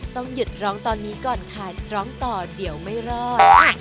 ต้องหยุดร้องตอนนี้ก่อนค่ะร้องต่อเดี๋ยวไม่รอด